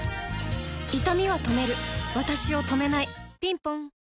いたみは止めるわたしを止めないぴんぽん